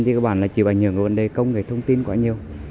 thì các bạn chỉ phải nhường vào vấn đề công nghệ thông tin quá nhiều